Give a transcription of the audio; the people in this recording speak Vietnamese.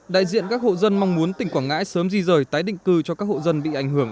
đại diện các hộ dân mong muốn tỉnh quảng ngãi sớm di rời tái định cư cho các hộ dân bị ảnh hưởng